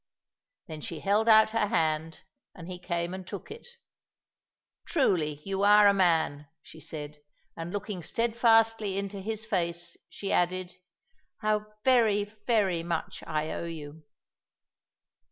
Then she held out her hand, and he came and took it. "Truly you are a man," she said, and looking steadfastly into his face, she added, "how very, very much I owe you!"